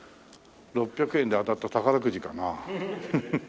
６００円で当たった宝くじかなあ。